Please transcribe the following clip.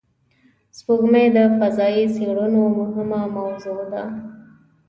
سپوږمۍ د فضایي څېړنو مهمه موضوع ده